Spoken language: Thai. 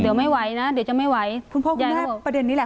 เดี๋ยวไม่ไหวนะเดี๋ยวจะไม่ไหวคุณพ่อคุณแม่ประเด็นนี้แหละ